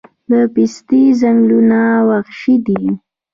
د پستې ځنګلونه وحشي دي؟